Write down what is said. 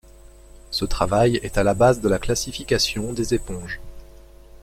Ce travail est à la base de la classification des éponges.